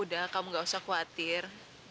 udah kamu gak usah khawatir